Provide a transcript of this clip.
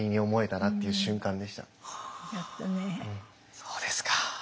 そうですか。